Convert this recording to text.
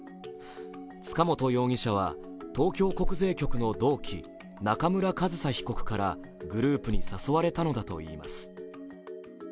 塚本容疑者は、東京国税局の同期、中村上総被告からグループに誘われたのだといいます。